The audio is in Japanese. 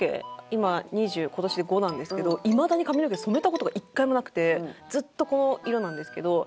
今今年で２５なんですけどいまだに髪の毛染めた事が一回もなくてずっとこの色なんですけど。